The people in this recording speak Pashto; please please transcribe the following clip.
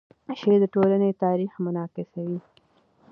شعر د ټولنې تاریخ منعکسوي.